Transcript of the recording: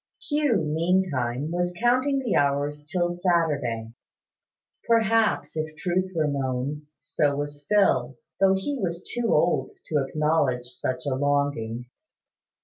Hugh, meantime, was counting the hours till Saturday. Perhaps, if the truth were known, so was Phil, though he was too old to acknowledge such a longing.